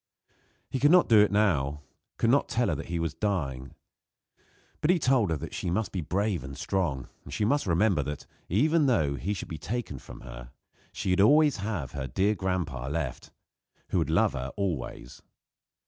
He could not do it now could not tell her that he was dying; but he told her she must be brave and strong; and she must remember that, even though he should be taken from her, she would have her dear grandpa left, who would love her always.